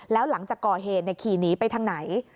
แล้วหลังจากก่อเหตุขี่หนีไปทางไหน